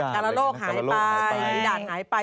อ้าวการะโลกหายไปการะโรกหายไปฟรีดาดหายไป